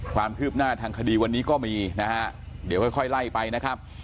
ความคืบหน้าทางคดีวันนี้ก็มีนะฮะเดี๋ยวค่อยไล่ไปนะครับ